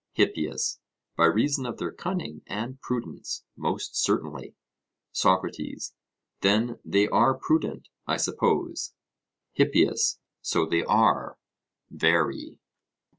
HIPPIAS: By reason of their cunning and prudence, most certainly. SOCRATES: Then they are prudent, I suppose? HIPPIAS: So they are very.